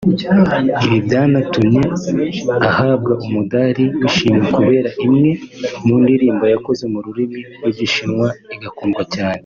Ibi byanatumye ahabwa umudari w’ishimwe kubera imwe mu ndirimbo yakoze mu rurimi rw'igishinwa igakundwa cyane